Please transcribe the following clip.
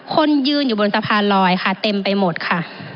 คนยืนอยู่บนสะพานลอยค่ะเต็มไปหมดค่ะ